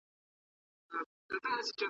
چي مي غزلي ورته لیکلې `